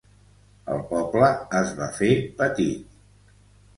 El poble es va fer petit.